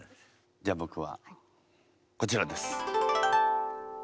じゃあ僕はこちらです。